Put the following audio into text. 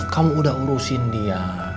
kamu udah awasin dia